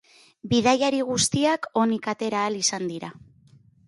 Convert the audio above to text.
Bidaiari guztiak onik atera ahal izan dira.